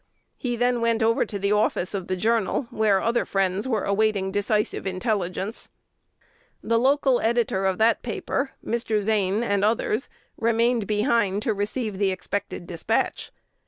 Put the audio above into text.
He then went over to the office of "The Journal," where other friends were awaiting decisive intelligence. The local editor of that paper, Mr. Zane, and others, remained behind to receive the expected despatch.